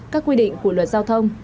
các quy định của luật giao thông